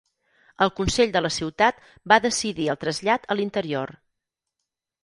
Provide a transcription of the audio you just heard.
El Consell de la Ciutat va decidir el trasllat a l'interior.